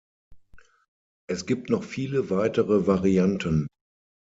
Es gibt noch viele weitere Varianten.